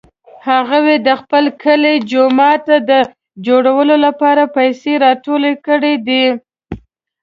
هغوی د خپل کلي د جومات د جوړولو لپاره پیسې راټولې کړې دي